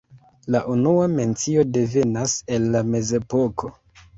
La unua mencio devenas el la mezepoko.